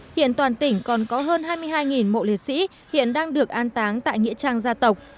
hiện toàn tỉnh còn có hơn hai mươi hai mộ liệt sĩ hiện đang được an táng tại nghĩa trang gia tộc